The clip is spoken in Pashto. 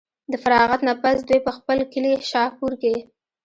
د فراغت نه پس دوي پۀ خپل کلي شاهپور کښې